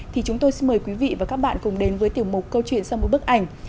thì chúng tôi xin mời quý vị và các bạn cùng đến với tiểu mục câu chuyện sau một bức ảnh